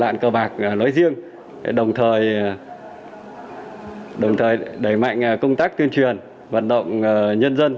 lạn cờ bạc nói riêng đồng thời đẩy mạnh công tác tuyên truyền vận động nhân dân